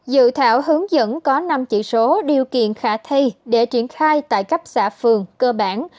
dự thảo hướng dẫn có năm chỉ số điều kiện khả thi để triển khai tại cấp xã phường cơ bản